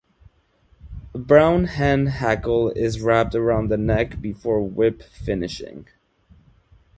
A brown hen hackle is wrapped around the neck before whip finishing.